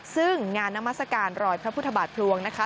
ซึ่งงานนามัศกาลรอยพระพุทธบาทพลวงนะคะ